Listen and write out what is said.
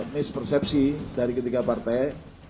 mispersepsi dari ketiga partai